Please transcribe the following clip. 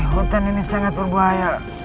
hutan ini sangat berbahaya